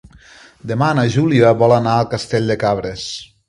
Demà na Júlia vol anar a Castell de Cabres.